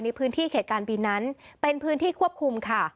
ในพื้นที่เขตการบินนั้นเป็นพื้นที่ควบคุมค่ะ